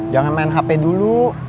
jangan main hp dulu